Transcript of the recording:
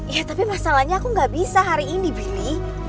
ya tapi masalahnya aku gak bisa hari ini bili